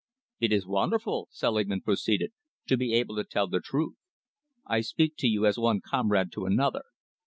"It is wonderful," Selingman proceeded, "to be able to tell the truth. I speak to you as one comrade to another.